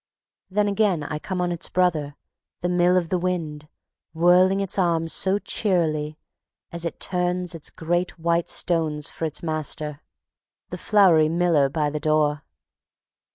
Then again I come on its brother, the Mill of the Wind, whirling its arms so cheerily, as it turns its great white stones for its master, the floury miller by the door.